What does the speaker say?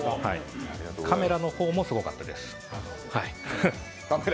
カメラの方もすごかったです。